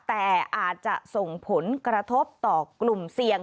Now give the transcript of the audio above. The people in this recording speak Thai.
แต่อาจจะส่งผลกระทบต่อกลุ่มเสี่ยง